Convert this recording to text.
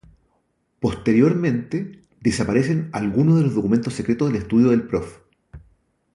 Posteriormente desaparecen algunos de los documentos secretos del estudio del Prof.